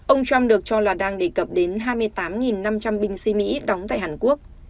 ông trump được cho là đang đề cập đến hai mươi tám năm trăm linh binh sĩ mỹ đóng tại hàn quốc